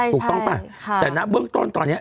ถูกต้องป่ะแต่ณเบื้องต้นตอนนี้